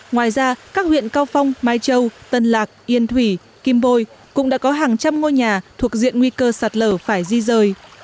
ngoài ra các huyện cao phong mai châu tân lạc yên thủy kim bôi cũng đã có hàng trăm ngôi nhà thuộc diện nguy cơ sạt lở phải di rời